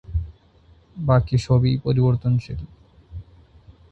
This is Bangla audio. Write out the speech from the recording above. বাকি সবই পরিবর্তশীল।